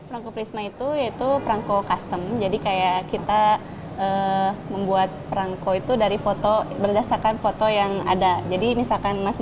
harga yang dibanderol berkisar rp tiga puluh rp tiga puluh dua